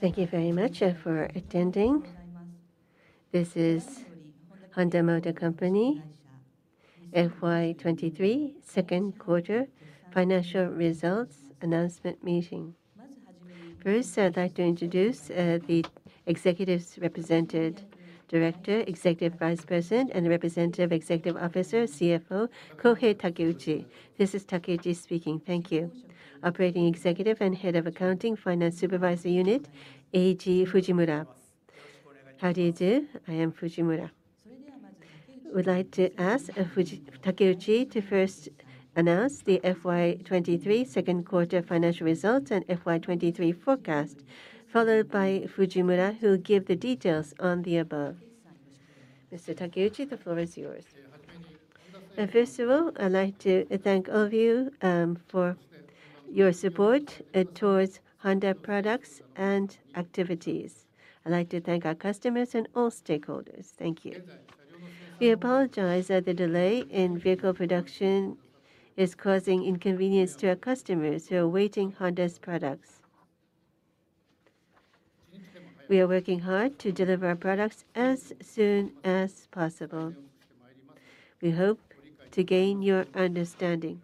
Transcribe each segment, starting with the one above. Thank you very much for attending. This is Honda Motor Co., Ltd. FY 2023 second quarter financial results announcement meeting. First, I'd like to introduce the executives represented, Director, Executive Vice President, and Representative Executive Officer, CFO Kohei Takeuchi. This is Takeuchi speaking. Thank you. Operating Executive and Head of Accounting, Finance Supervisor Unit, Eiji Fujimura. How do you do? I am Fujimura. We'd like to ask Takeuchi to first announce the FY 2023 second quarter financial results and FY 2023 forecast, followed by Fujimura, who will give the details on the above. Mr. Takeuchi, the floor is yours. First of all, I'd like to thank all of you for your support towards Honda products and activities. I'd like to thank our customers and all stakeholders. Thank you. We apologize that the delay in vehicle production is causing inconvenience to our customers who are awaiting Honda's products. We are working hard to deliver our products as soon as possible. We hope to gain your understanding.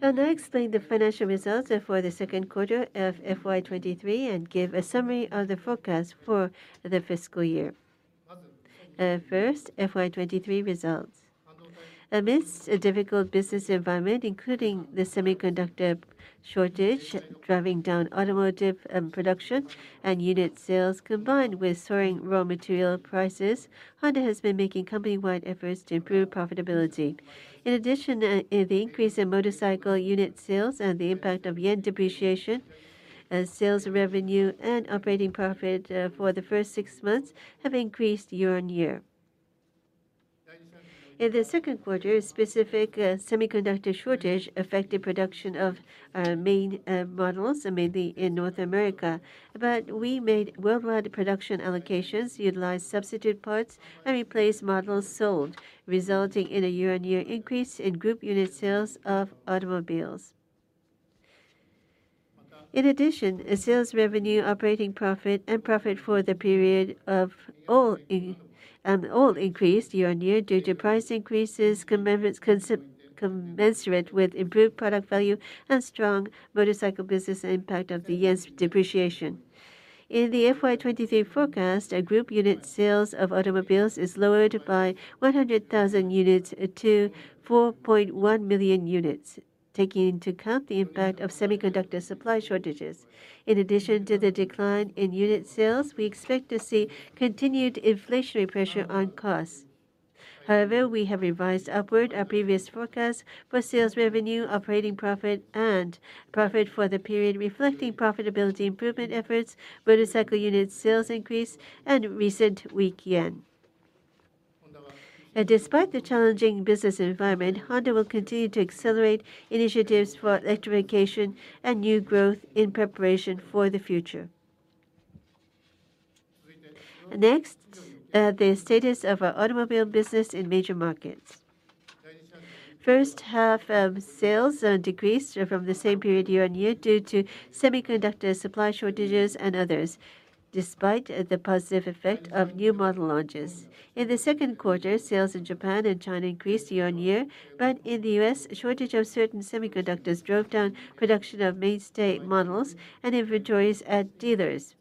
I'll now explain the financial results for the second quarter of FY 2023 and give a summary of the forecast for the fiscal year. First, FY 2023 results. Amidst a difficult business environment, including the semiconductor shortage driving down automotive production and unit sales, combined with soaring raw material prices, Honda has been making company-wide efforts to improve profitability. In addition, the increase in motorcycle unit sales and the impact of yen depreciation, sales revenue and operating profit for the first six months have increased year-on-year. In the second quarter, semiconductor shortage affected production of main models, mainly in North America. We made worldwide production allocations, utilized substitute parts, and replaced models sold, resulting in a year-on-year increase in group unit sales of automobiles. In addition, sales revenue, operating profit and profit for the period all increased year on year due to price increases commensurate with improved product value and strong motorcycle business impact of the yen's depreciation. In the FY 2023 forecast, group unit sales of automobiles is lowered by 100,000 units to 4.1 million units, taking into account the impact of semiconductor supply shortages. In addition to the decline in unit sales, we expect to see continued inflationary pressure on costs. However, we have revised upward our previous forecast for sales revenue, operating profit and profit for the period reflecting profitability improvement efforts, motorcycle unit sales increase and recent weak yen. Despite the challenging business environment, Honda will continue to accelerate initiatives for electrification and new growth in preparation for the future. Next, the status of our automobile business in major markets. First half sales decreased from the same period year-on-year due to semiconductor supply shortages and others, despite the positive effect of new model launches. In the second quarter, sales in Japan and China increased year-on-year, but in the U.S., shortage of certain semiconductors drove down production of mainstay models and inventories at dealers.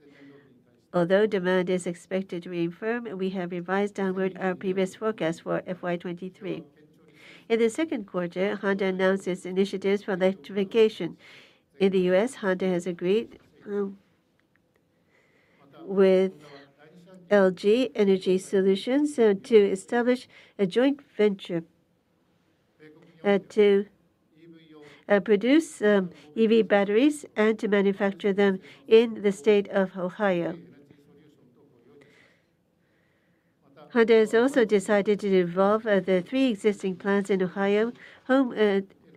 Although demand is expected to remain firm, we have revised downward our previous forecast for FY 2023. In the second quarter, Honda announced its initiatives for electrification. In the US, Honda has agreed with LG Energy Solution to establish a joint venture to produce EV batteries and to manufacture them in the state of Ohio. Honda has also decided to develop the three existing plants in Ohio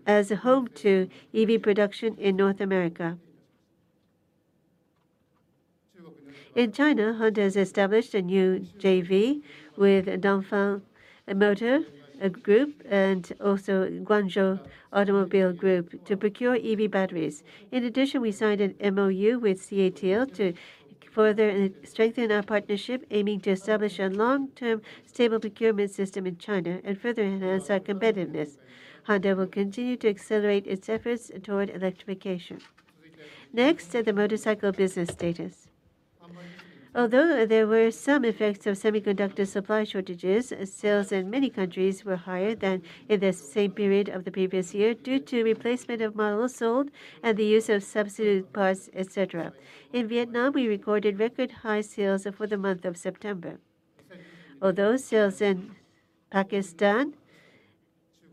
as a home to EV production in North America. In China, Honda has established a new JV with Dongfeng Motor Group and also Guangzhou Automobile Group to procure EV batteries. In addition, we signed an MOU with CATL to further strengthen our partnership, aiming to establish a long-term stable procurement system in China and further enhance our competitiveness. Honda will continue to accelerate its efforts toward electrification. Next, the motorcycle business status. Although there were some effects of semiconductor supply shortages, sales in many countries were higher than in the same period of the previous year due to replacement of models sold and the use of substitute parts, et cetera. In Vietnam, we recorded record high sales for the month of September. Although sales in Pakistan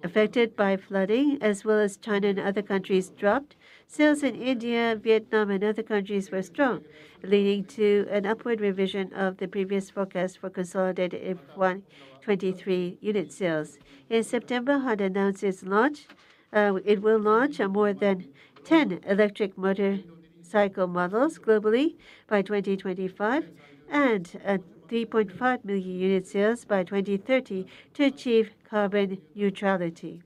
affected by flooding, as well as China and other countries dropped, sales in India, Vietnam and other countries were strong, leading to an upward revision of the previous forecast for consolidated FY 2023 unit sales. In September, Honda announced its launch. It will launch more than 10 electric motorcycle models globally by 2025 and at 3.5 million unit sales by 2030 to achieve carbon neutrality.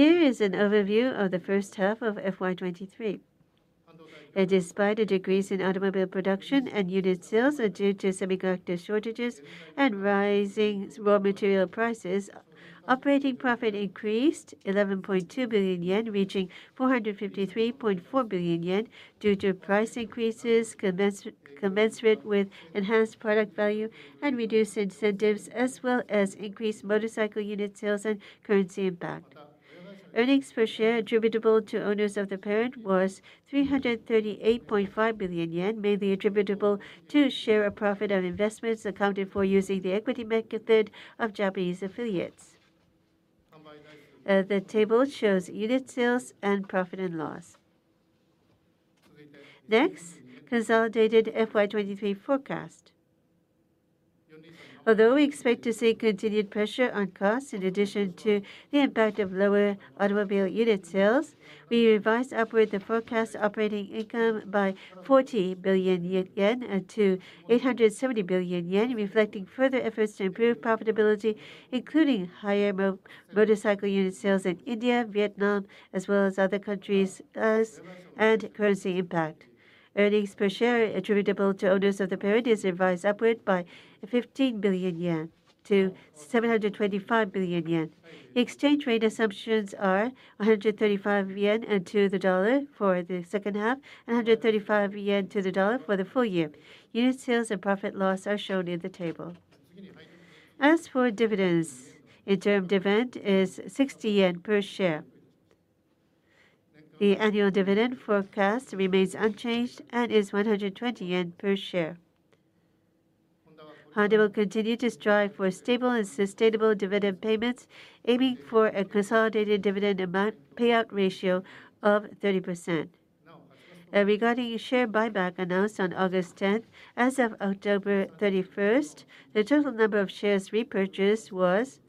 Here is an overview of the first half of FY 2023. Despite a decrease in automobile production and unit sales are due to semiconductor shortages and rising raw material prices, operating profit increased 11.2 billion yen, reaching 453.4 billion yen due to price increases commensurate with enhanced product value and reduced incentives, as well as increased motorcycle unit sales and currency impact. Earnings per share attributable to owners of the parent was 338.5 billion yen, mainly attributable to share of profit on investments accounted for using the equity method of Japanese affiliates. The table shows unit sales and profit and loss. Next, consolidated FY 2023 forecast. Although we expect to see continued pressure on costs in addition to the impact of lower automobile unit sales, we revised upward the forecast operating income by 40 billion yen to 870 billion yen, reflecting further efforts to improve profitability, including higher motorcycle unit sales in India, Vietnam, as well as other countries, U.S., and currency impact. Earnings per share attributable to owners of the parent is revised upward by 15 billion yen to 725 billion yen. Exchange rate assumptions are 135 yen to the dollar for the second half, and 135 yen to the dollar for the full year. Unit sales and profit/loss are shown in the table. As for dividends, interim dividend is 60 yen per share. The annual dividend forecast remains unchanged and is 120 yen per share. Honda will continue to strive for stable and sustainable dividend payments, aiming for a consolidated dividend amount payout ratio of 30%. Regarding share buyback announced on August tenth, as of October thirty-first, the total number of shares repurchased was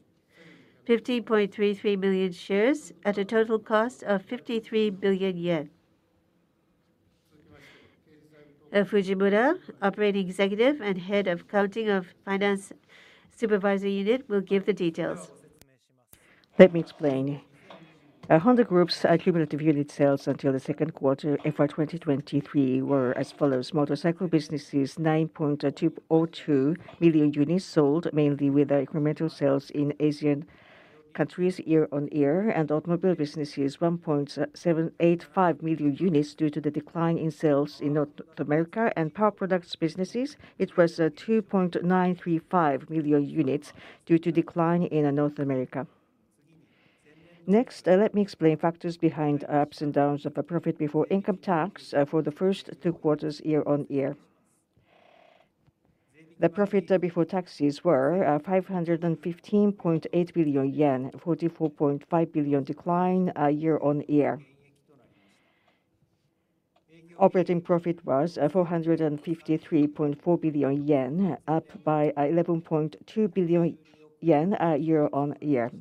15.33 million shares at a total cost of 53 billion yen. Fujimura, Operating Executive and Head of Accounting, Finance Supervisor Unit, will give the details. Let me explain. Honda Group's cumulative unit sales until the second quarter, FY 2023, were as follows: motorcycle businesses, 9.02 million units sold, mainly with incremental sales in Asian countries year on year. Automobile businesses, 1.785 million units due to the decline in sales in North America. Power products businesses, it was 2.935 million units due to decline in North America. Next, let me explain factors behind ups and downs of profit before income tax for the first two quarters year on year. The profit before taxes were 515.8 billion yen, 44.5 billion decline year on year. Operating profit was 453.4 billion yen, up by 11.2 billion yen year-on-year.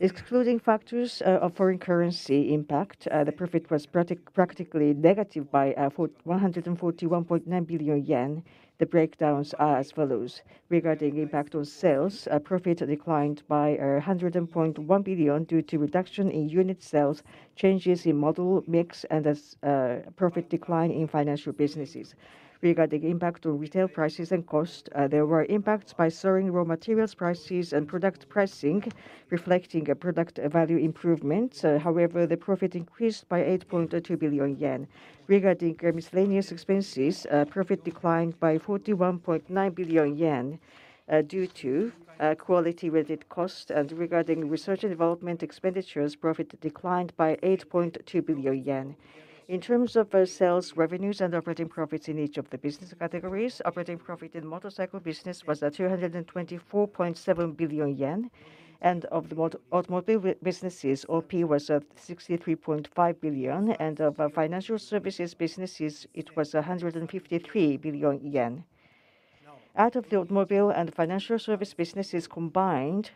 Excluding factors of foreign currency impact, the profit was practically negative by 141.9 billion yen. The breakdowns are as follows. Regarding impact on sales, profit declined by 100.1 billion due to reduction in unit sales, changes in model mix, and profit decline in financial businesses. Regarding impact on retail prices and costs, there were impacts by soaring raw materials prices and product pricing, reflecting a product value improvement. However, the profit increased by 8.2 billion yen. Regarding miscellaneous expenses, profit declined by 41.9 billion yen due to quality-related costs. Regarding research and development expenditures, profit declined by 8.2 billion yen. In terms of sales revenues and operating profits in each of the business categories, operating profit in motorcycle business was 224.7 billion yen. Of the automobile businesses, OP was 63.5 billion, and of financial services businesses, it was 153 billion yen. Out of the automobile and financial service businesses combined,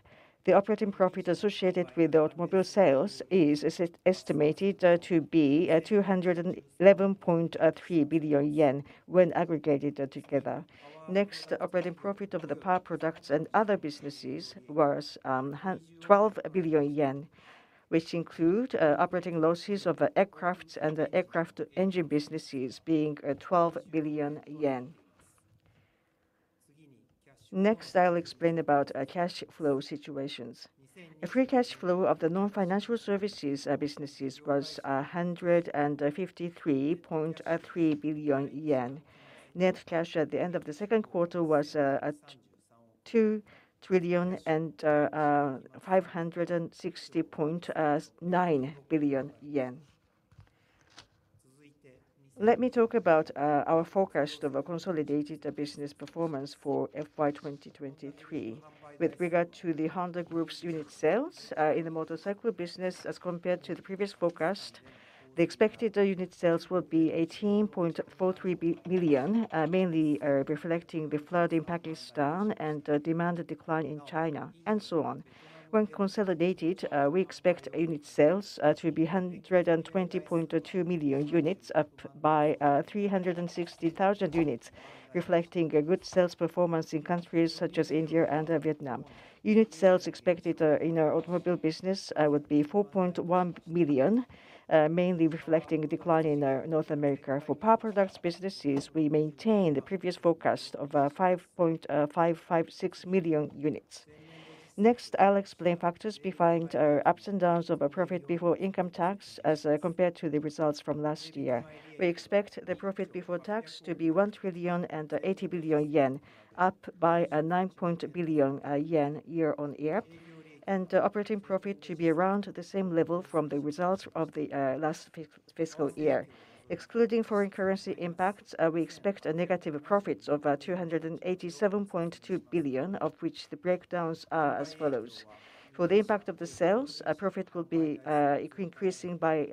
the operating profit associated with automobile sales is estimated to be 211.3 billion yen when aggregated together. Next, operating profit of the power products and other businesses was 12 billion yen, which include operating losses of aircraft and the aircraft engine businesses being 12 billion yen. Next, I'll explain about cash flow situations. A free cash flow of the non-financial services businesses was 153.3 billion yen. Net cash at the end of the second quarter was at 2,560.9 billion yen. Let me talk about our forecast of a consolidated business performance for FY 2023. With regard to the Honda Group's unit sales in the motorcycle business as compared to the previous forecast, the expected unit sales will be 18.43 billion, mainly reflecting the flood in Pakistan and demand decline in China, and so on. When consolidated, we expect unit sales to be 120.2 million units, up by 360,000 units, reflecting a good sales performance in countries such as India and Vietnam. Unit sales expected in our automobile business would be 4.1 million, mainly reflecting decline in North America. For power products businesses, we maintain the previous forecast of 5.56 million units. Next, I'll explain factors behind our ups and downs of our profit before income tax as compared to the results from last year. We expect the profit before tax to be 1,080 billion yen, up by 9 billion yen year on year, and operating profit to be around the same level from the results of the last fiscal year. Excluding foreign currency impacts, we expect a negative profits of 287.2 billion, of which the breakdowns are as follows. For the impact of the sales, our profit will be increasing by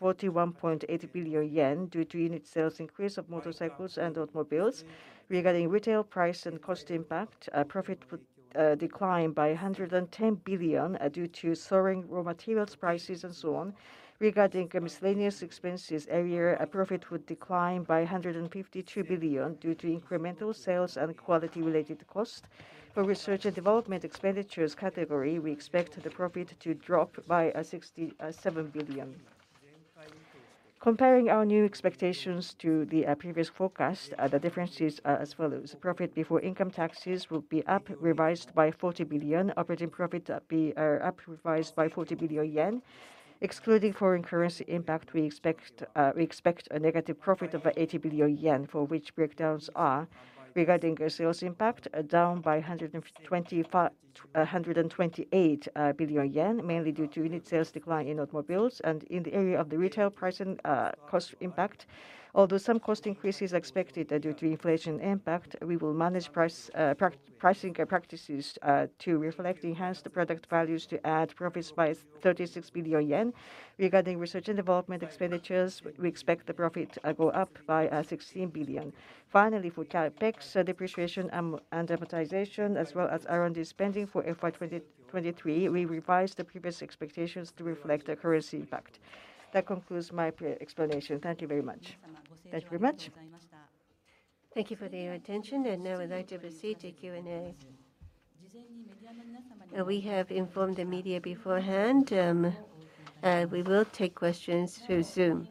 41.8 billion yen due to unit sales increase of motorcycles and automobiles. Regarding retail price and cost impact, our profit will decline by 110 billion due to soaring raw materials prices and so on. Regarding miscellaneous expenses area, our profit would decline by 152 billion due to incremental sales and quality-related cost. For research and development expenditures category, we expect the profit to drop by 67 billion. Comparing our new expectations to the previous forecast, the differences are as follows. Profit before income taxes will be up revised by 40 billion. Operating profit up revised by 40 billion yen. Excluding foreign currency impact, we expect a negative profit of 80 billion yen, for which breakdowns are. Regarding our sales impact, down by 128 billion yen, mainly due to unit sales decline in automobiles. In the area of the retail pricing, cost impact, although some cost increase is expected, due to inflation impact, we will manage pricing practices to reflect enhanced product values to add profits by 36 billion yen. Regarding research and development expenditures, we expect the profit go up by 16 billion. Finally, for CapEx, depreciation and amortization, as well as R&D spending for FY 2023, we revised the previous expectations to reflect the currency impact. That concludes my pre-explanation. Thank you very much. Thank you very much. Thank you for the attention. Now I'd like to proceed to Q&A. We have informed the media beforehand, we will take questions through Zoom.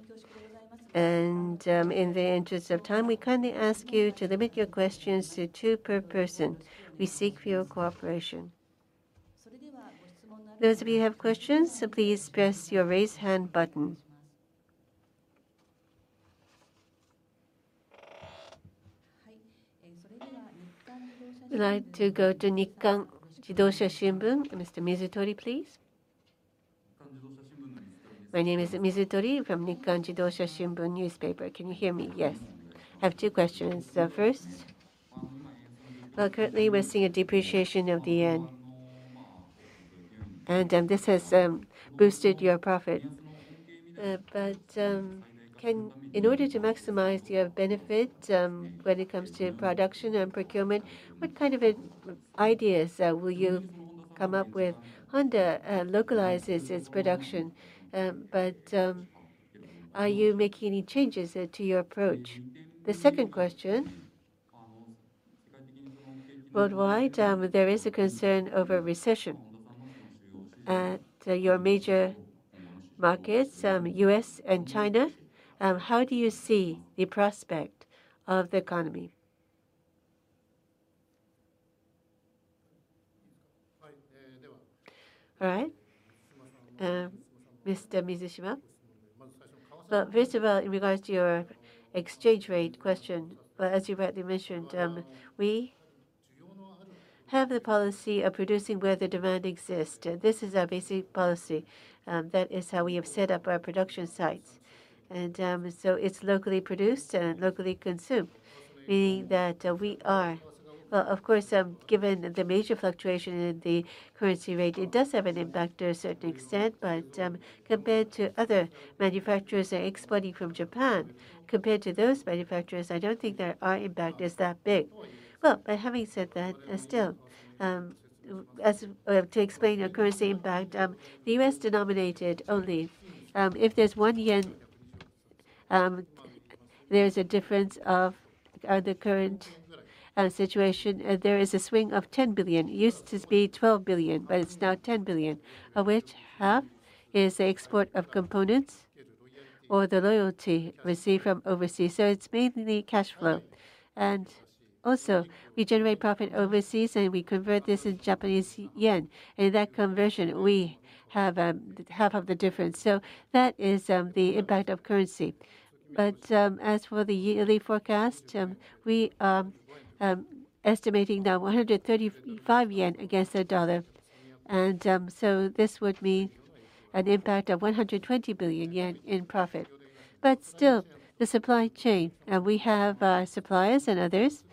In the interest of time, we kindly ask you to limit your questions to two per person. We seek your cooperation. Those of you who have questions, please press your Raise Hand button. I'd like to go to Nikkan Kogyo Shimbun. Mr. Mizutori, please. My name is Mizutori from Nikkan Kogyo Shimbun newspaper. Can you hear me? Yes. I have two questions. First, well, currently we're seeing a depreciation of the yen, and this has boosted your profit. In order to maximize your benefit, when it comes to production and procurement, what kind of ideas will you come up with? Honda localizes its production, but are you making any changes to your approach? The second question, worldwide, there is a concern over recession at your major markets, U.S. and China. How do you see the prospect of the economy? All right. Mr. Mizutori. Well, first of all, in regards to your exchange rate question. Well, as you rightly mentioned, we have the policy of producing where the demand exists. This is our basic policy, that is how we have set up our production sites. It's locally produced and locally consumed, meaning that. Well, of course, given the major fluctuation in the currency rate, it does have an impact to a certain extent. Compared to other manufacturers exporting from Japan, compared to those manufacturers, I don't think that our impact is that big. Well, but having said that, still, as to explain our currency impact, the USD-denominated only, if there's 1 yen, there is a swing of 10 billion. It used to be 12 billion, but it's now 10 billion, of which half is the export of components or the royalty received from overseas. It's mainly cash flow. We generate profit overseas, and we convert this in Japanese yen. In that conversion, we have half of the difference. That is the impact of currency. As for the yearly forecast, we are estimating now 135 yen against the dollar. This would mean. An impact of 120 billion yen in profit. Still, the supply chain, and we have suppliers and others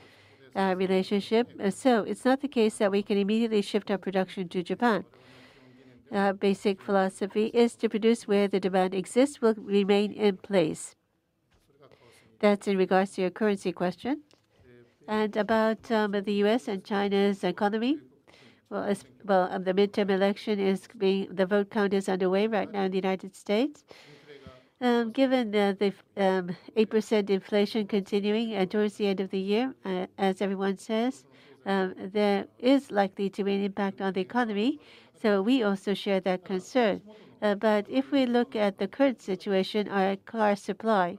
relationship. It's not the case that we can immediately shift our production to Japan. Our basic philosophy is to produce where the demand exists will remain in place. That's in regards to your currency question. About the U.S. and China's economy, well, the midterm election, the vote count is underway right now in the United States. Given the 8% inflation continuing towards the end of the year, as everyone says, there is likely to be an impact on the economy, so we also share that concern. If we look at the current situation, our car supply,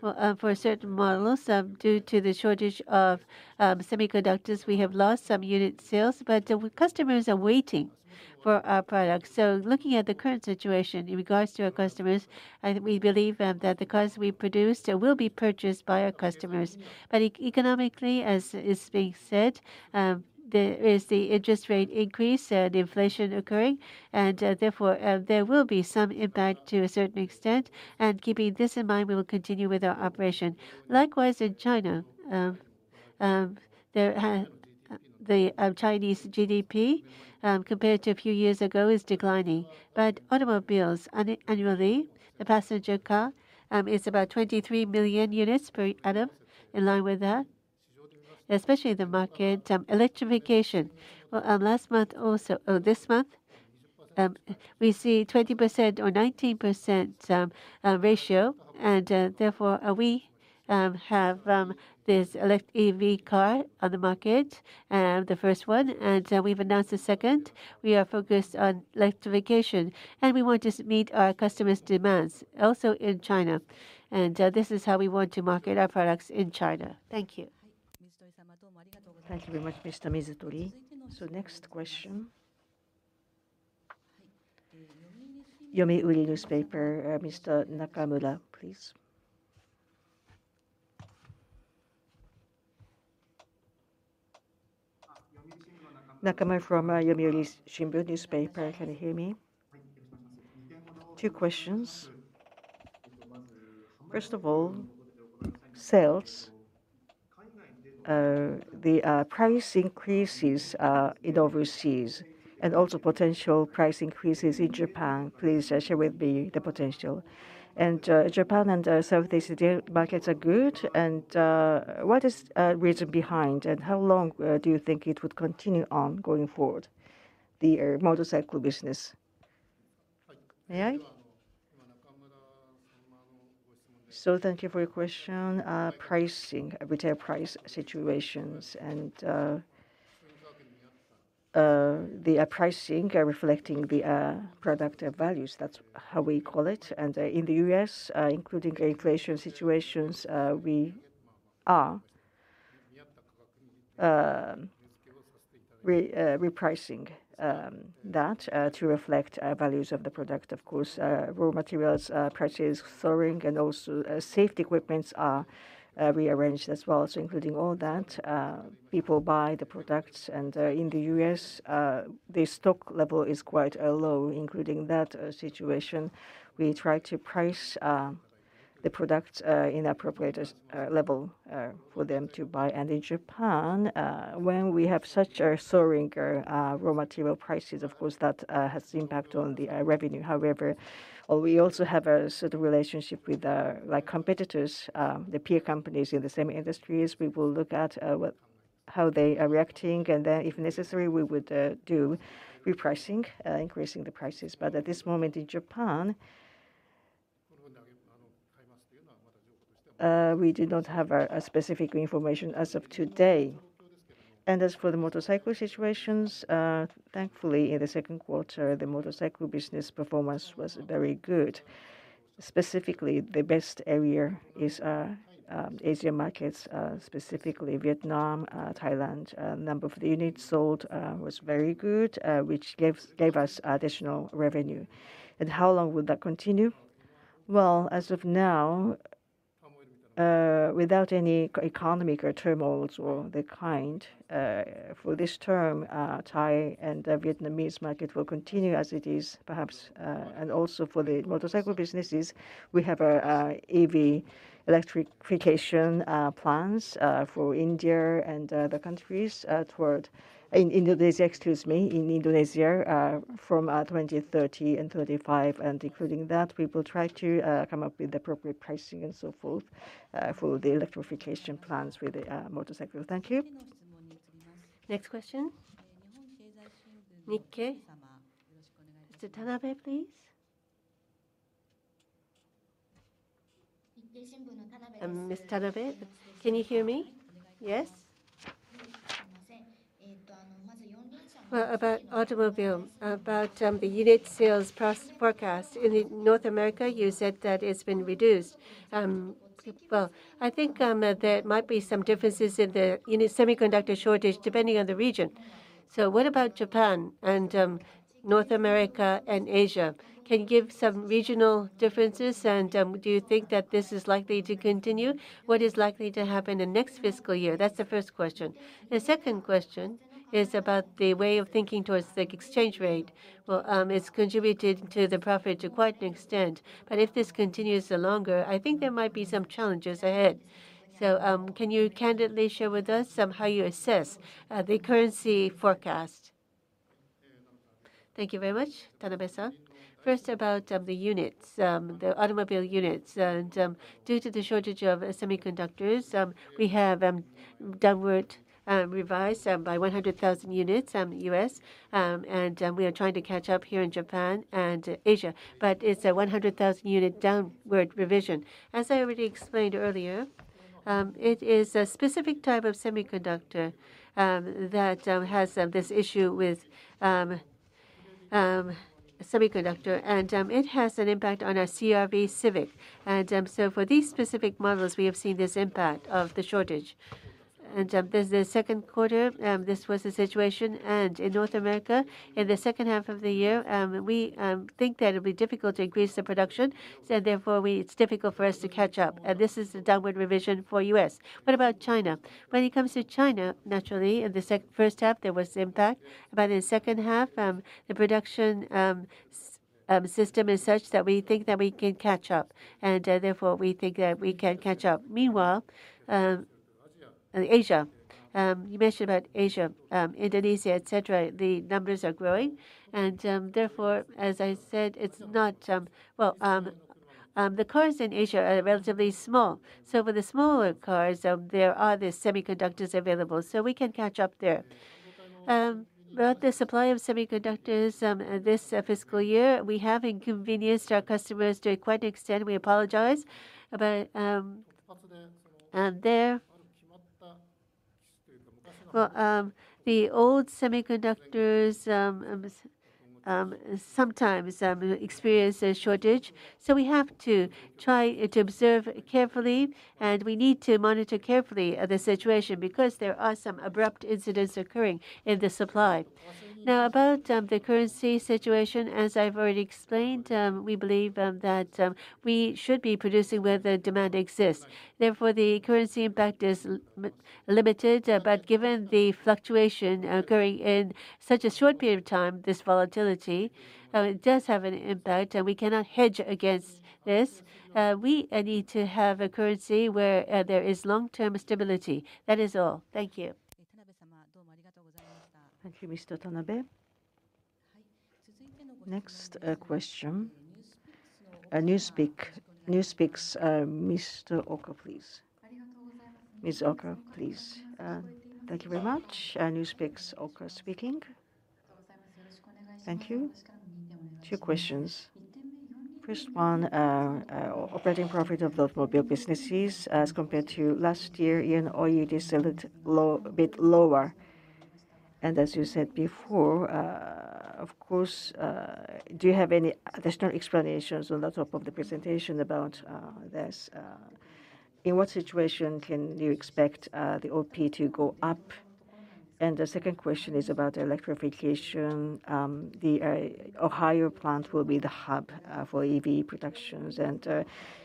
well, for certain models, due to the shortage of semiconductors, we have lost some unit sales, but customers are waiting for our products. Looking at the current situation in regards to our customers, and we believe that the cars we produced will be purchased by our customers. Economically, as is being said, there is the interest rate increase and inflation occurring, and therefore there will be some impact to a certain extent, and keeping this in mind, we will continue with our operation. Likewise, in China, the Chinese GDP compared to a few years ago is declining. Automobiles annually, the passenger car is about 23 million units per annum. In line with that, especially in the market, electrification. Well, last month also, or this month, we see 20% or 19% ratio, and therefore we have this EV car on the market, the first one, and we've announced a second. We are focused on electrification, and we want to meet our customers' demands also in China. This is how we want to market our products in China. Thank you. Thank you very much, Mr. Mizutori. Next question. Yomiuri Shimbun. Mr. Nakamura, please. Nakamura from Yomiuri Shimbun newspaper. Can you hear me? Two questions. First of all, sales. The price increases in overseas and also potential price increases in Japan, please share with me the potential. Japan and Southeast Asia markets are good, and what is reason behind, and how long do you think it would continue going forward, the motorcycle business? May I? Thank you for your question. Pricing, retail price situations and the pricing reflecting the product values, that's how we call it. In the U.S., including inflation situations, we are repricing that to reflect values of the product. Of course, raw materials prices soaring and also, safety equipment are rearranged as well. Including all that, people buy the products. In the U.S., the stock level is quite low, including that situation. We try to price the products in appropriate level for them to buy. In Japan, when we have such a soaring raw material prices, of course, that has impact on the revenue. However, we also have a sort of relationship with like competitors, the peer companies in the same industries. We will look at how they are reacting, and then if necessary, we would do repricing, increasing the prices. At this moment in Japan, we do not have specific information as of today. As for the motorcycle situations, thankfully, in the second quarter, the motorcycle business performance was very good. Specifically, the best area is Asian markets, specifically Vietnam, Thailand. Number of the units sold was very good, which gave us additional revenue. How long will that continue? Well, as of now, without any economic or turmoils or the kind, for this term, Thai and Vietnamese market will continue as it is, perhaps. Also for the motorcycle businesses, we have a EV electrification plans for India and the countries in Indonesia from 2030 and 2035, and including that, we will try to come up with appropriate pricing and so forth for the electrification plans with the motorcycle. Thank you. Next question. Nikkei. Mr. Tanabe, please. Ms. Tanabe, can you hear me? Yes. Well, about the automobile unit sales forecast. In North America, you said that it's been reduced. Well, I think there might be some differences in the semiconductor shortage depending on the region. So what about Japan and North America and Asia? Can you give some regional differences? And do you think that this is likely to continue? What is likely to happen the next fiscal year? That's the first question. The second question is about the way of thinking towards the exchange rate. Well, it's contributed to the profit to quite an extent, but if this continues longer, I think there might be some challenges ahead. So can you candidly share with us how you assess the currency forecast? Thank you very much, Tanabe-san. First, about the units, the automobile units. Due to the shortage of semiconductors, we have downward revised by 100,000 units, U.S., and we are trying to catch up here in Japan and Asia, but it's a 100,000 unit downward revision. As I already explained earlier, it is a specific type of semiconductor that has this issue with semiconductor, and it has an impact on our CR-V, Civic. For these specific models, we have seen this impact of the shortage. In the second quarter, this was the situation. In North America in the second half of the year, we think that it'll be difficult to increase the production, so therefore it's difficult for us to catch up. This is the downward revision for U.S. What about China? When it comes to China, naturally, in the first half there was impact, but in the second half, the production system is such that we think that we can catch up, and therefore we think that we can catch up. Meanwhile, Asia. You mentioned about Asia, Indonesia, et cetera. The numbers are growing and therefore, as I said, it's not. Well, the cars in Asia are relatively small. So for the smaller cars, there are the semiconductors available, so we can catch up there. About the supply of semiconductors, this fiscal year, we have inconvenienced our customers to quite an extent. We apologize. The old semiconductors sometimes experience a shortage, so we have to try to observe carefully, and we need to monitor carefully the situation because there are some abrupt incidents occurring in the supply. Now, about the currency situation, as I've already explained, we believe that we should be producing where the demand exists. Therefore, the currency impact is limited, but given the fluctuation occurring in such a short period of time, this volatility, it does have an impact and we cannot hedge against this. We need to have a currency where there is long-term stability. That is all. Thank you. Thank you, Mr. Tanabe. Next, question. NewsPicks, Mr. Oka, please. Ms. Oka, please. Thank you very much. NewsPicks, Oka speaking. Thank you. Two questions. First one, operating profit of the automobile businesses as compared to last year, and OP was a bit lower. As you said before, of course, do you have any additional explanations on top of the presentation about this? In what situation can you expect the OP to go up? The second question is about electrification. The Ohio plant will be the hub for EV production, and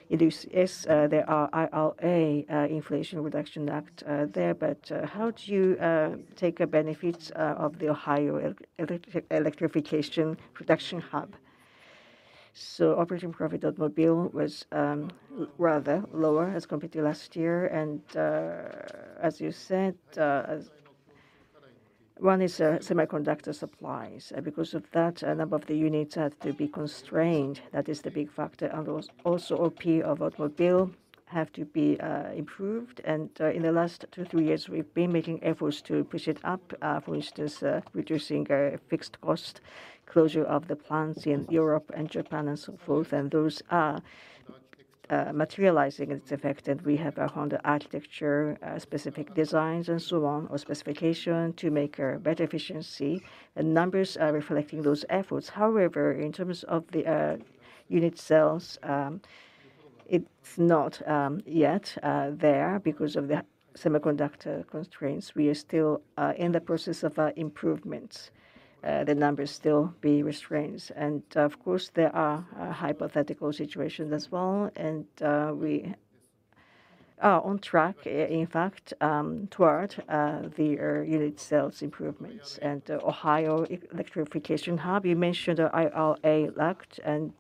it is. Yes, there are IRA, Inflation Reduction Act, there, but how do you take benefits of the Ohio electrification production hub? Operating profit automobile was rather lower as compared to last year, and as you said, one is semiconductor supplies. Because of that, a number of the units had to be constrained. That is the big factor. Also, OP of automobile have to be improved. In the last two, three years, we've been making efforts to push it up, for instance, reducing fixed cost, closure of the plants in Europe and Japan and so forth, and those are materializing. It's affected. We have our Honda Architecture, specific designs and so on, or specification to make better efficiency. The numbers are reflecting those efforts. However, in terms of the unit cells, it's not yet there because of the semiconductor constraints. We are still in the process of improvements. The numbers still be restrained. Of course, there are hypothetical situations as well, and we are on track, in fact, toward the unit cells improvements. Ohio electrification hub, you mentioned the IRA and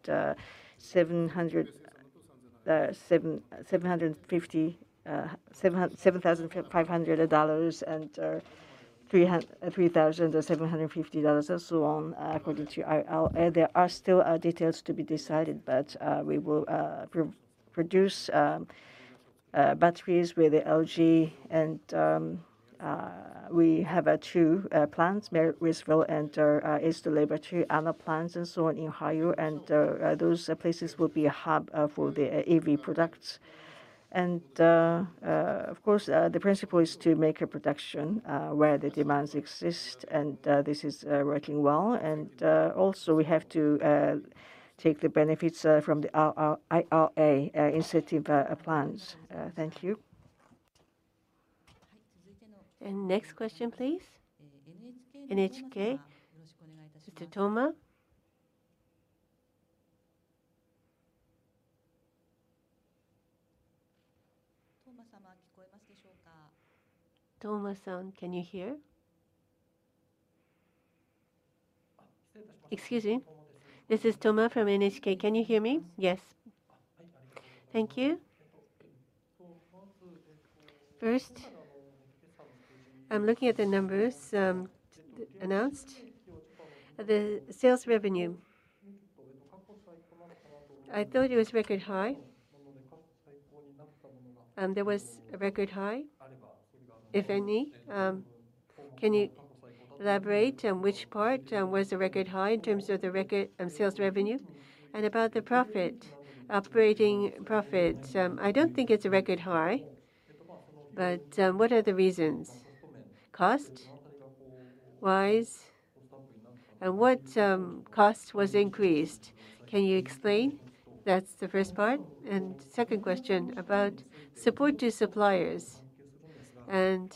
$7,500 and $3,750, and so on, according to IRA. There are still details to be decided, but we will produce batteries with LG, and we have two plants, Marysville and East Liberty, Anna plants and so on in Ohio, and those places will be a hub for the EV products. Of course, the principle is to make a production where the demands exist, and this is working well. Also, we have to take the benefits from the IRA incentive plans. Thank you. Next question, please. NHK, Mr. Toma. Toma-san, can you hear? Excuse me. This is Toma from NHK. Can you hear me? Yes. Thank you. First, I'm looking at the numbers announced. The sales revenue, I thought it was record high, and there was a record high. If any, can you elaborate on which part was the record high in terms of the record sales revenue? About the profit, operating profit, I don't think it's a record high, but what are the reasons? Cost-wise? And what cost was increased? Can you explain? That's the first part. Second question, about support to suppliers and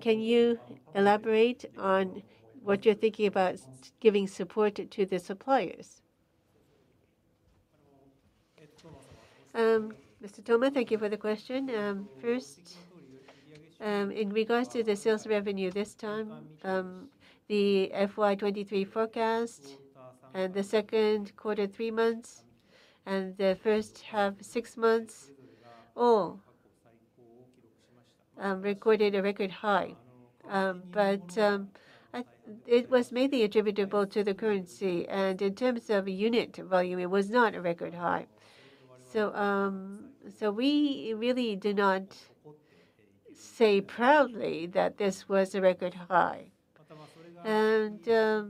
can you elaborate on what you're thinking about giving support to the suppliers? Mr. Toma, thank you for the question. First, in regards to the sales revenue this time, the FY 2023 forecast and the second quarter, three months, and the first half, six months, all recorded a record high. I... It was mainly attributable to the currency. In terms of unit volume, it was not a record high. We really did not say proudly that this was a record high. The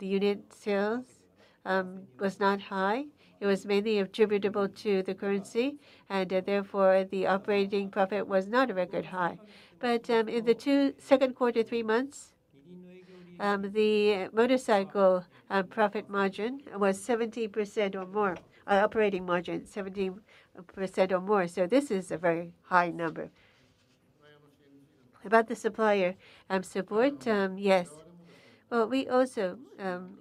unit sales was not high. It was mainly attributable to the currency and therefore the operating profit was not a record high. In the two second quarter, three months, the motorcycle profit margin was 17% or more, operating margin 17% or more, this is a very high number. About the supplier support, yes. We also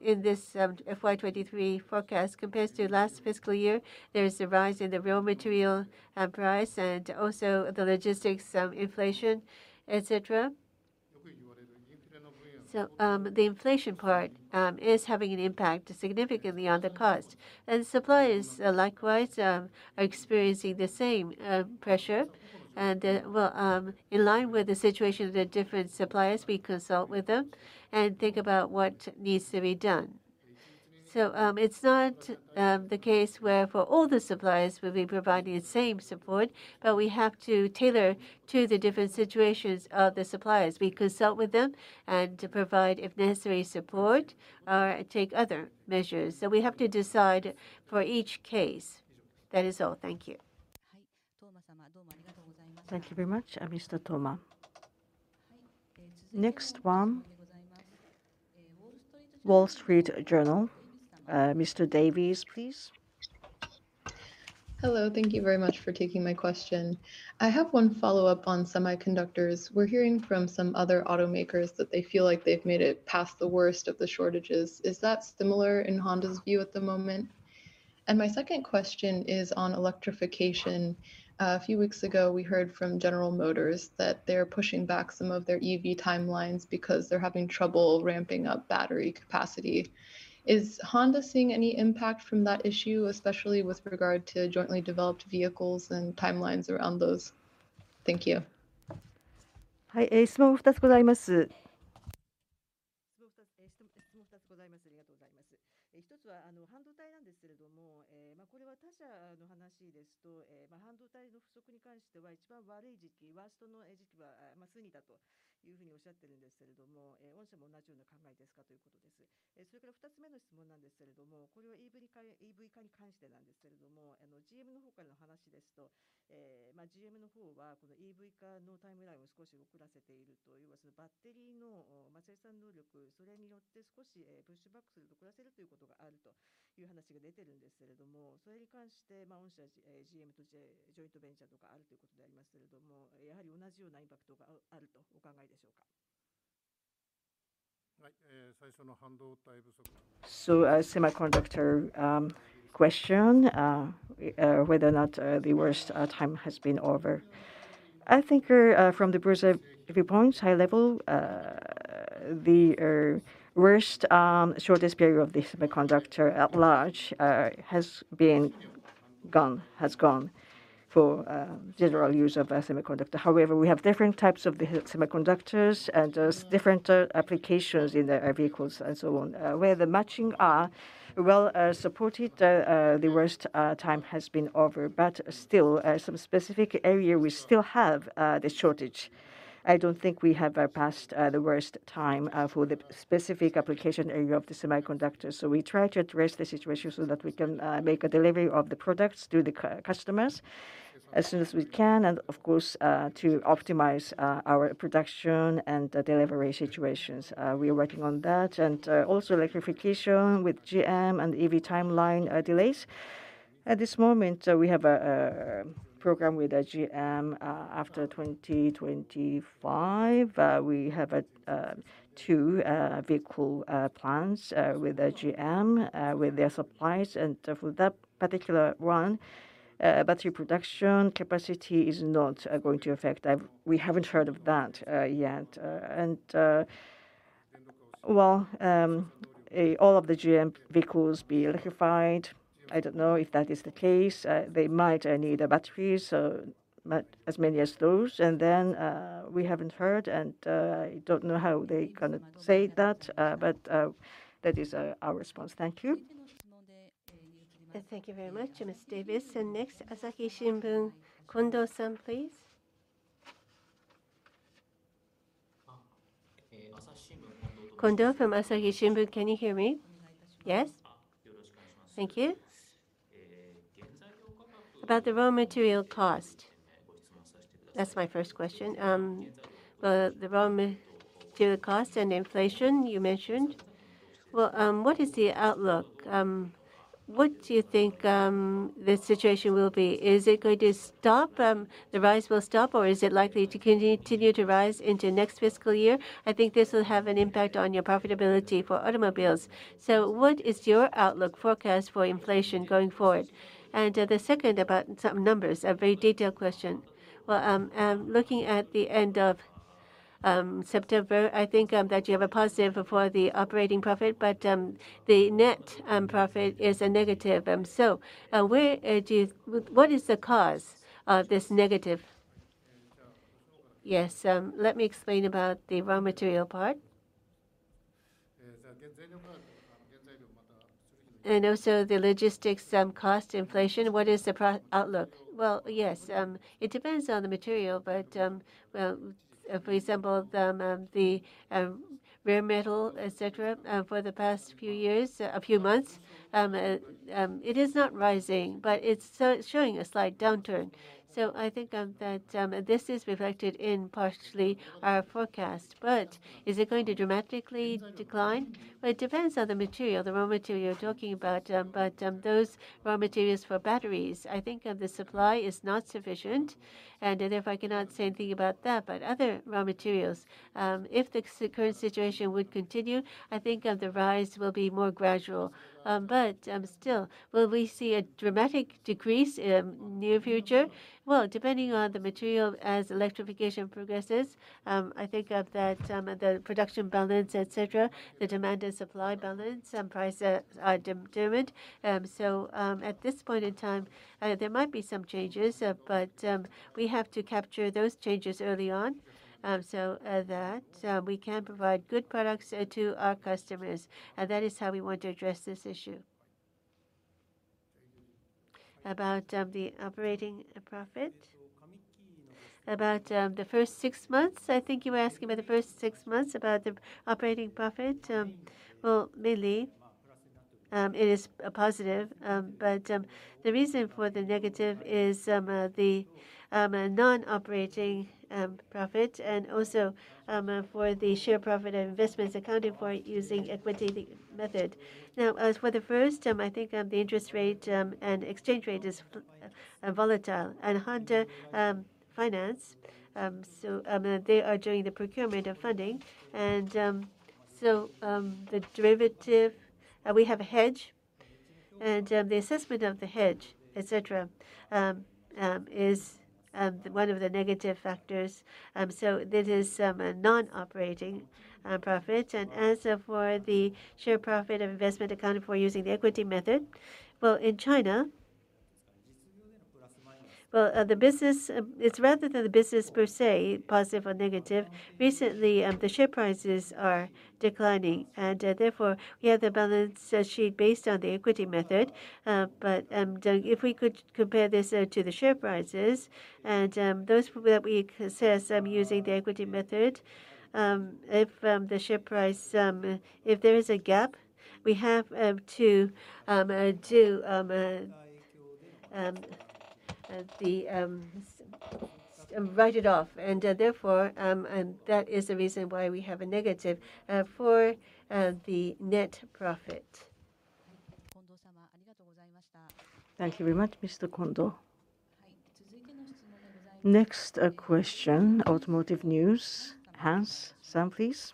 in this FY 2023 forecast, compared to last fiscal year, there is a rise in the raw material price and also the logistics inflation, et cetera. The inflation part is having an impact significantly on the cost. Suppliers likewise are experiencing the same pressure. Well, in line with the situation of the different suppliers, we consult with them and think about what needs to be done. It's not the case where for all the suppliers we'll be providing the same support, but we have to tailor to the different situations of the suppliers. We consult with them and provide, if necessary, support or take other measures. We have to decide for each case. That is all. Thank you. Thank you very much, Mr. Toma. Next one, Wall Street Journal. Mr. Davies, please. Hello. Thank you very much for taking my question. I have one follow-up on semiconductors. We're hearing from some other automakers that they feel like they've made it past the worst of the shortages. Is that similar in Honda's view at the moment? My second question is on electrification. A few weeks ago, we heard from General Motors that they're pushing back some of their EV timelines because they're having trouble ramping up battery capacity. Is Honda seeing any impact from that issue, especially with regard to jointly developed vehicles and timelines around those? Thank you. A semiconductor question whether or not the worst time has been over. I think from the bird's-eye viewpoint, high level, the worst shortage period of the semiconductor at large has gone for general use of a semiconductor. However, we have different types of the semiconductors and there's different applications in the vehicles and so on. Where the matching are well supported, the worst time has been over. Still, some specific area we still have the shortage. I don't think we have passed the worst time for the specific application area of the semiconductors. We try to address the situation so that we can make a delivery of the products to the customers as soon as we can, and of course, to optimize our production and delivery situations. We are working on that. Also electrification with GM and EV timeline delays. At this moment, we have a program with GM after 2025. We have two vehicle plants with GM with their suppliers. For that particular one, battery production capacity is not going to affect. We haven't heard of that yet. Well, all of the GM vehicles be electrified. I don't know if that is the case. They might need batteries, so but as many as those. We haven't heard and I don't know how they're gonna say that, but that is our response. Thank you. Thank you very much, Ms. Davis. Next, Asahi Shimbun, Kondo-san, please. Asahi Shimbun, Kondo Kondo from Asahi Shimbun. Can you hear me? Yes. Ah. Thank you. About the raw material cost. That's my first question. The raw material cost and inflation you mentioned. Well, what is the outlook? What do you think the situation will be? Is it going to stop, the rise will stop, or is it likely to continue to rise into next fiscal year? I think this will have an impact on your profitability for automobiles. What is your outlook forecast for inflation going forward? The second about some numbers, a very detailed question. Well, looking at the end of September, I think that you have a positive for the operating profit, but the net profit is a negative. What is the cause of this negative? Yes, let me explain about the raw material part. Also the logistics, cost inflation, what is the outlook? Well, yes. It depends on the material, but, well, for example, the rare metal, et cetera, for the past few years, a few months, it is not rising, but it's showing a slight downturn. I think that this is reflected partially in our forecast. But is it going to dramatically decline? Well, it depends on the material, the raw material you're talking about. But those raw materials for batteries. I think the supply is not sufficient, and I cannot say anything about that, but other raw materials, if the current situation would continue, I think the rise will be more gradual. But still, will we see a dramatic decrease in near future? Well, depending on the material as electrification progresses, I think that the production balance, et cetera, the demand and supply balance, prices are different. At this point in time, there might be some changes, but we have to capture those changes early on, so that we can provide good products to our customers. That is how we want to address this issue. About the operating profit. About the first six months, I think you were asking about the first six months about the operating profit. Well, mainly, it is a positive, but the reason for the negative is the non-operating profit and also the share of profit and investments accounted for using equity method. Now, as for the first time, I think, the interest rate and exchange rate is volatile. Honda Finance, they are doing the procurement of funding. The derivative, we have a hedge. The assessment of the hedge, et cetera, is one of the negative factors. This is a non-operating profit. As for the share profit of investment accounted for using the equity method. Well, in China, well, the business, it's rather than the business per se, positive or negative. Recently, the share prices are declining and, therefore, we have the balance sheet based on the equity method. If we could compare this to the share prices and those that we assess using the equity method, if the share price if there is a gap, we have to write it off. Therefore, and that is the reason why we have a negative for the net profit. Thank you very much, Mr. Kondo. Next question, Automotive News. Hans Greimel, please.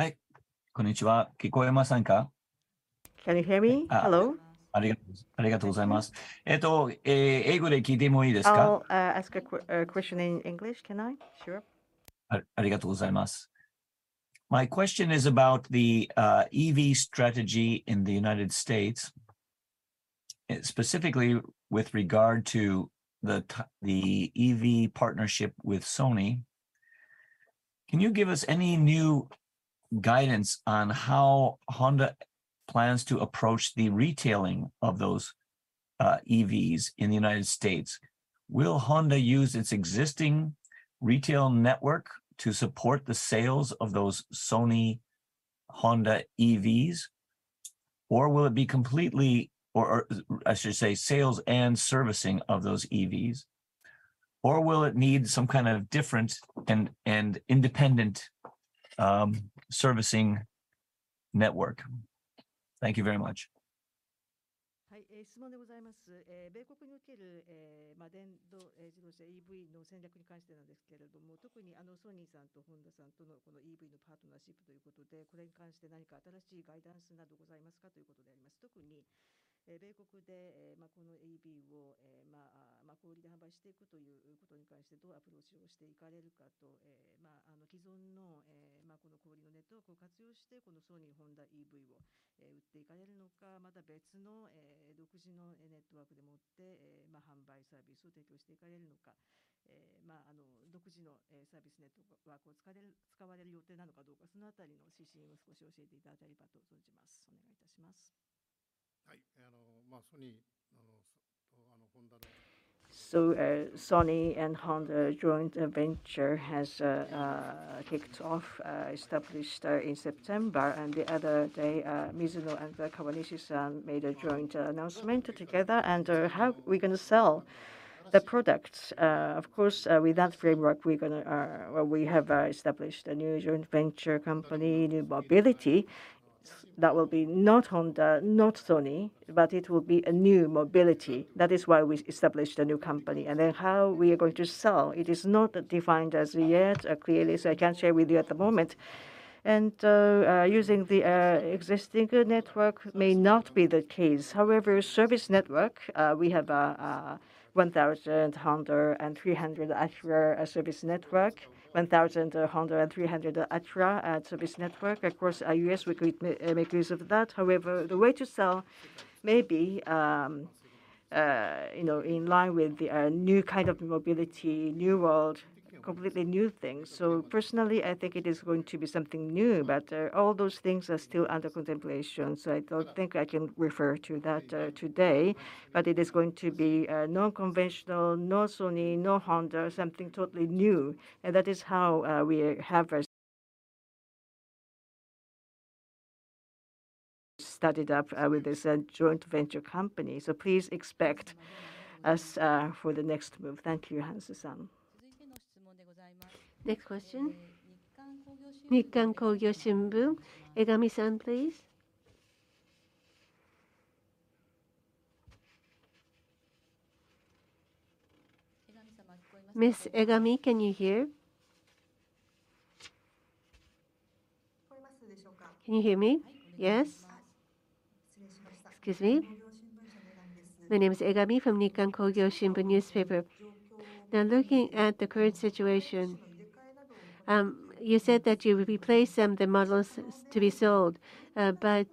Hi. Konnichiwa. Can you hear me? Hello. Thank you. I'll ask a question in English. Can I? Sure. My question is about the EV strategy in the United States, specifically with regard to the EV partnership with Sony. Can you give us any new guidance on how Honda plans to approach the retailing of those EVs in the United States? Will Honda use its existing retail network to support the sales of those Sony-Honda EVs, or I should say sales and servicing of those EVs? Or will it need some kind of different and independent servicing network? Thank you very much. The Sony and Honda joint venture has been established in September. The other day, Mizuno and Kawanishi-san made a joint announcement together. How we're gonna sell the products, of course, with that framework, we have established a new joint venture company, new mobility, that will be not Honda, not Sony, but it will be a new mobility. That is why we established a new company. Then how we are going to sell, it is not defined as yet, clearly, so I can't share with you at the moment. Using the existing network may not be the case. However, service network, we have 1,000 Honda and 300 Acura service network. Of course, US, we could make use of that. However, the way to sell may be, you know, in line with the new kind of mobility, new world, completely new things. Personally, I think it is going to be something new, but all those things are still under contemplation, so I don't think I can refer to that today. It is going to be non-conventional, no Sony, no Honda, something totally new. That is how we have started up with this joint venture company. Please expect us for the next move. Thank you, Hans-san. Next question. Nikkan Kogyo Shimbun. Egami-san, please. Ms. Egami, can you hear? Can you hear me? Yes. Excuse me. My name is Egami from Nikkan Kogyo Shimbun newspaper. Now, looking at the current situation, you said that you would replace some of the models to be sold. But,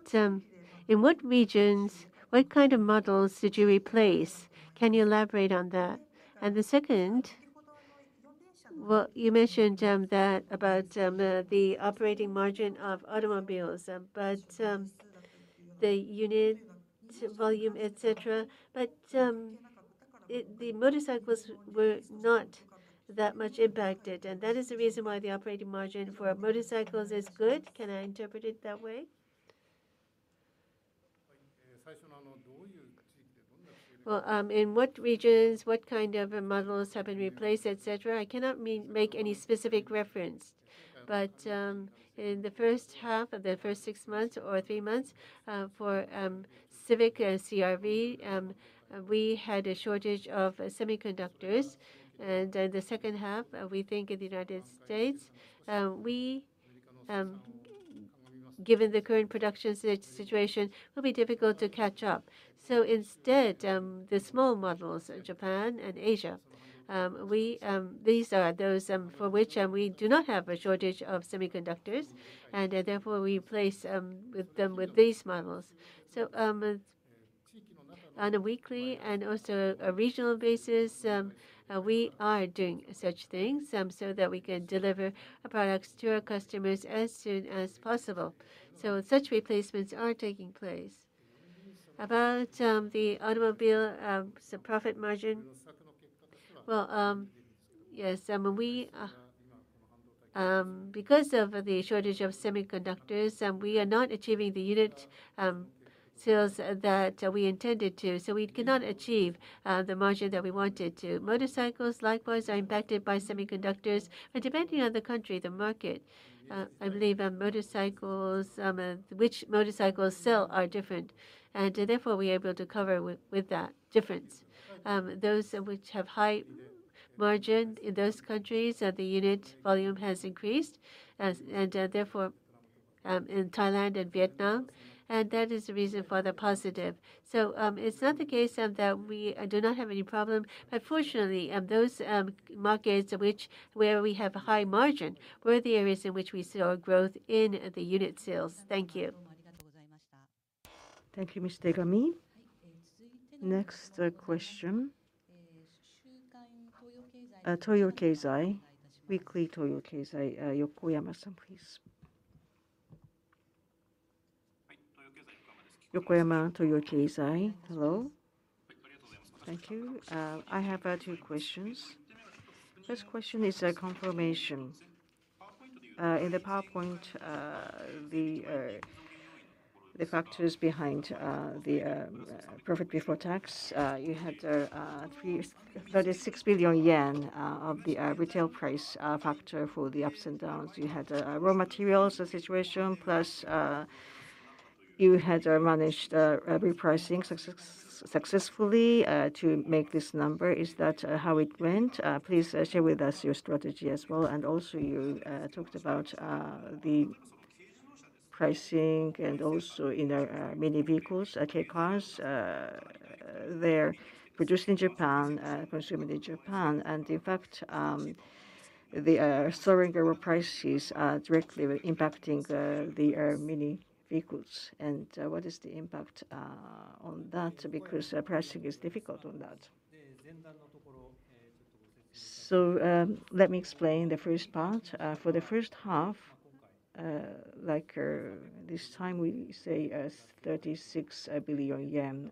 in what regions, what kind of models did you replace? Can you elaborate on that? The second, well, you mentioned that about the operating margin of automobiles, but, the unit volume, et cetera. But, the motorcycles were not that much impacted, and that is the reason why the operating margin for motorcycles is good. Can I interpret it that way? Well, in what regions, what kind of models have been replaced, et cetera, I cannot make any specific reference. In the first half of the first six months or three months, for Civic, CR-V, we had a shortage of semiconductors. In the second half, we think in the United States, we given the current production situation, will be difficult to catch up. Instead, the small models, Japan and Asia, we these are those for which we do not have a shortage of semiconductors. Therefore, we replace them with these models. On a weekly and also a regional basis, we are doing such things so that we can deliver products to our customers as soon as possible. Such replacements are taking place. About the automobile profit margin. Well, yes, because of the shortage of semiconductors, we are not achieving the unit sales that we intended to, so we cannot achieve the margin that we wanted to. Motorcycles likewise are impacted by semiconductors. Depending on the country, the market, I believe, motorcycles which motorcycles sell are different. Therefore, we are able to cover with that difference. Those which have high margin in those countries, the unit volume has increased. Therefore, in Thailand and Vietnam, and that is the reason for the positive. It's not the case that we do not have any problem. Fortunately, those markets which, where we have high margin were the areas in which we saw growth in the unit sales. Thank you. Thank you, Ms. Egami. Next question. Toyo Keizai. Weekly Toyo Keizai. Yokoyama-san, please. Yokoyama, Toyo Keizai. Hello. Thank you. I have 2 questions. First question is a confirmation. In the PowerPoint, the factors behind the profit before tax, you had 36 billion yen of the retail price factor for the ups and downs. You had raw materials situation, plus, you had managed repricing successfully to make this number. Is that how it went? Please share with us your strategy as well. You talked about the pricing and also in mini vehicles, kei cars. They're produced in Japan, consumed in Japan. In fact, the soaring raw prices are directly impacting the mini vehicles. What is the impact on that? Because pricing is difficult on that. Let me explain the first part. For the first half, like this time we say 36 billion yen+.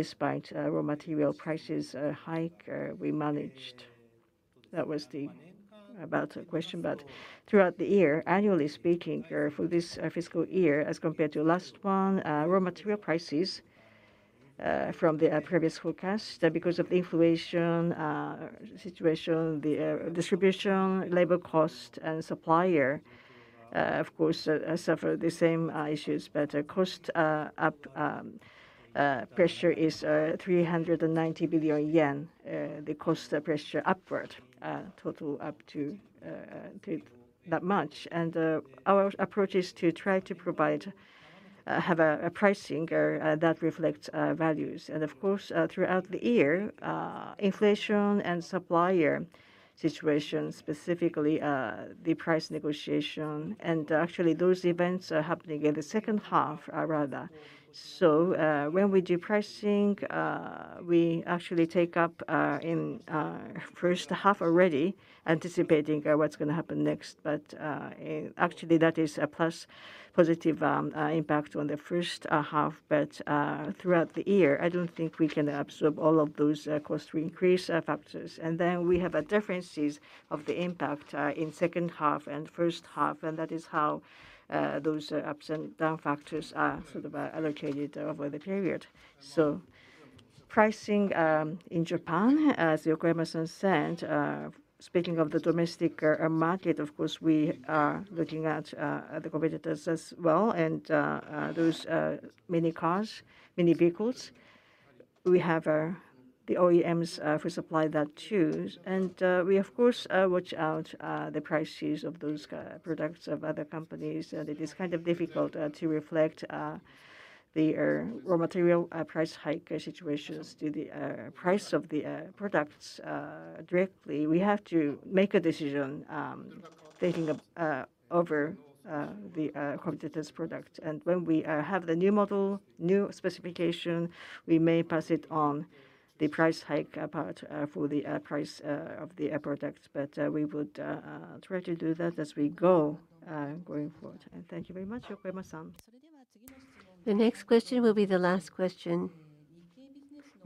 Despite raw material price hike, we managed. That was about the question. Throughout the year, annually speaking, for this fiscal year as compared to last one, raw material prices from the previous forecast, because of inflation situation, the distribution, labor cost and supplier, of course, suffer the same issues. Cost up pressure is 390 billion yen. The cost pressure upward total up to that much. Our approach is to try to provide a pricing that reflects values. Of course, throughout the year, inflation and supplier situation, specifically, the price negotiation. Actually those events are happening in the second half, rather. When we do pricing, we actually take up in first half already anticipating what's gonna happen next. Actually that is a positive impact on the first half. Throughout the year, I don't think we can absorb all of those cost increase factors. Then we have a differences of the impact in second half and first half, and that is how those ups and down factors are sort of allocated over the period. Pricing in Japan, as Yokoyama-san said, speaking of the domestic market, of course, we are looking at the competitors as well, and those mini cars, mini vehicles. We have the OEMs for supply that too. We of course watch out the prices of those products of other companies. It is kind of difficult to reflect the raw material price hike situations to the price of the products directly. We have to make a decision thinking of over the competitor's product. When we have the new model, new specification, we may pass it on the price hike part for the price of the products. We would try to do that as we go, going forward. Thank you very much, Yokoyama-san. The next question will be the last question.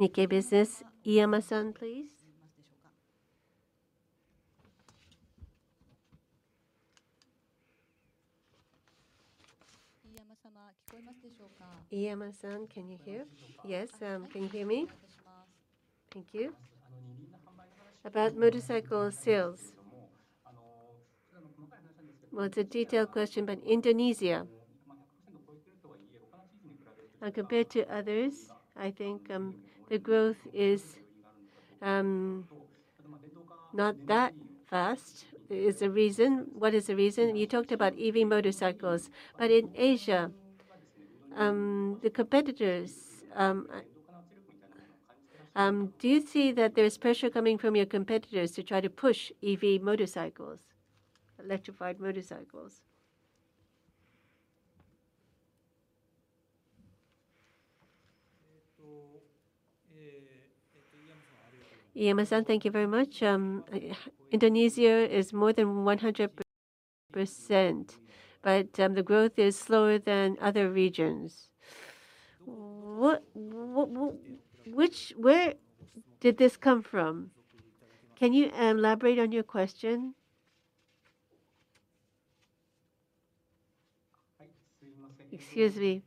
Nikkei Business, Iyama-san, please. Iyama-san, can you hear? Yes. Can you hear me? Thank you. About motorcycle sales. Well, it's a detailed question, but Indonesia.Compared to others, I think, the growth is not that fast. There is a reason. What is the reason? You talked about EV motorcycles. In Asia, the competitors, do you see that there's pressure coming from your competitors to try to push EV motorcycles, electrified motorcycles? Iyama-san, thank you very much. Indonesia is more than 100%, but the growth is slower than other regions. Where did this come from? Can you elaborate on your question? Excuse me.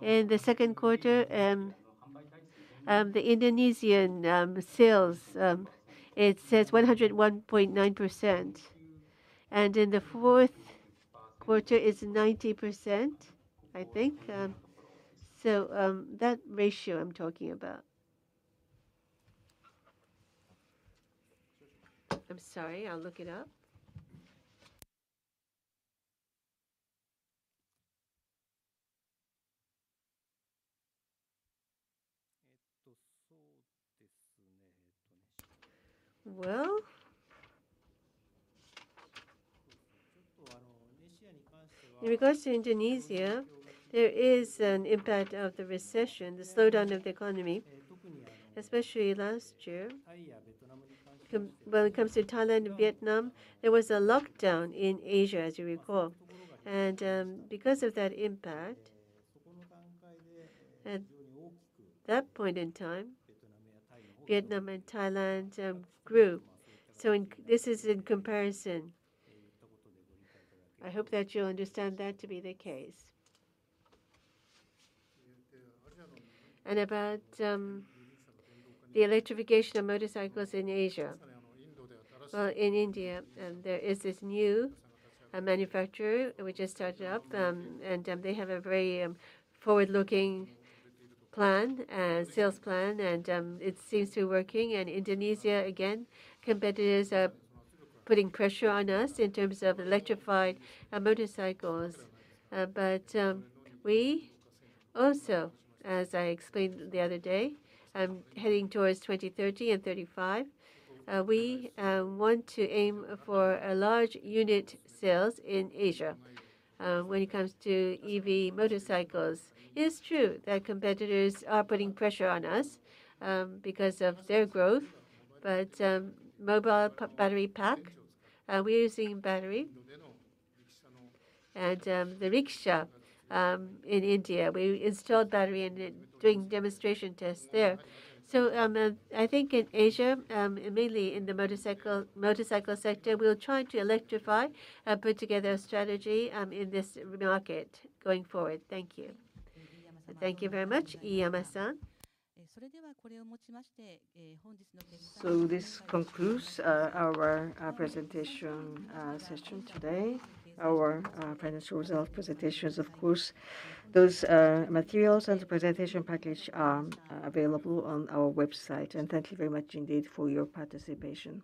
In the second quarter, the Indonesian sales, it says 101.9%. In the fourth quarter it's 90%, I think. That ratio I'm talking about. I'm sorry, I'll look it up. Well, in regards to Indonesia, there is an impact of the recession, the slowdown of the economy, especially last year. When it comes to Thailand and Vietnam, there was a lockdown in Asia, as you recall. Because of that impact, at that point in time, Vietnam and Thailand grew. This is in comparison. I hope that you'll understand that to be the case. About the electrification of motorcycles in Asia. Well, in India, there is this new manufacturer which has started up, and they have a very forward-looking plan, sales plan, and it seems to be working. In Indonesia, again, competitors are putting pressure on us in terms of electrified motorcycles. We also, as I explained the other day, heading towards 2030 and 2035, we want to aim for a large unit sales in Asia. When it comes to EV motorcycles, it is true that competitors are putting pressure on us because of their growth, but Mobile Power Pack battery, we're using battery. The rickshaw in India, we installed battery and doing demonstration tests there. I think in Asia, mainly in the motorcycle sector, we're trying to electrify, put together a strategy in this market going forward. Thank you. Thank you very much, Iyama-san. This concludes our presentation session today, our financial results presentations. Of course, those materials and the presentation package are available on our website. Thank you very much indeed for your participation.